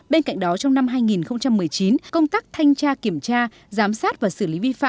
bên cạnh đó trong năm hai nghìn một mươi chín công tác thanh tra kiểm tra giám sát và xử lý vi phạm